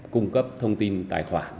cung cấp thông tin tài khoản